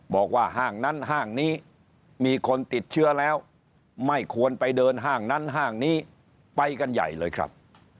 ห้างนั้นห้างนี้มีคนติดเชื้อแล้วไม่ควรไปเดินห้างนั้นห้างนี้ไปกันใหญ่เลยครับ